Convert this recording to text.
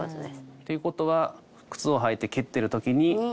っていうことは靴を履いて蹴ってる時に。